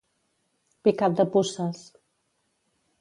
Picat de puces.